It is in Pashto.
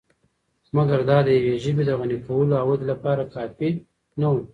مګر دا دیوې ژبې د غني کولو او ودې لپاره کافی نه وو .